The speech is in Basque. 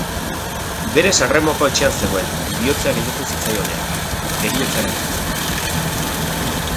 Bere Sanremoko etxean zegoen, bihotza gelditu zitzaionean, heriotza eraginez.